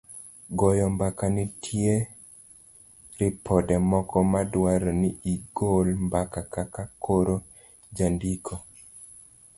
goyo mbaka nitie ripode moko ma dwaro ni igol mbaka kaka koro jandiko